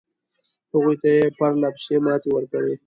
هغوی ته یې پرله پسې ماتې ورکړې.